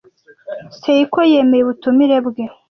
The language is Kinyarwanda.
Seiko yemeye ubutumire bwe.